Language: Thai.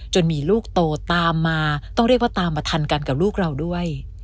มีลูกโตตามมาต้องเรียกว่าตามมาทันกันกับลูกเราด้วย